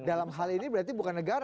dalam hal ini berarti bukan negara